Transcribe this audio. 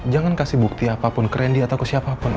jangan kasih bukti apapun ke randy atau ke siapapun om